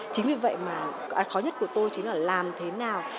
chính vì vậy mà cái khó nhất của tôi chính là làm thế nào